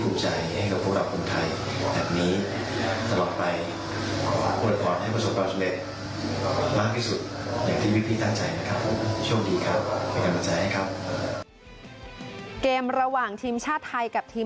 ก็กล่อยทำผ้องงานให้ทั้งที่